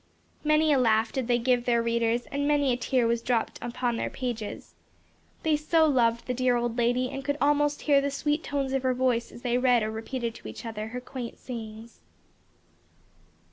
Many a laugh did they give their readers, and many a tear was dropped upon their pages. They so loved the dear old lady and could almost hear the sweet tones of her voice as they read or repeated to each other, her quaint sayings.